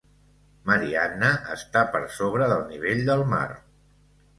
Marianna està per sobre del nivell del mar.